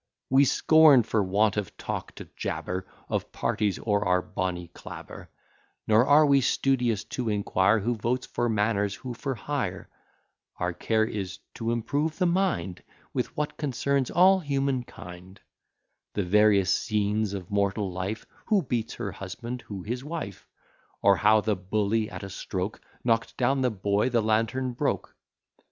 We scorn, for want of talk, to jabber Of parties o'er our bonnyclabber; Nor are we studious to inquire, Who votes for manors, who for hire: Our care is, to improve the mind With what concerns all human kind; The various scenes of mortal life; Who beats her husband, who his wife; Or how the bully at a stroke Knock'd down the boy, the lantern broke.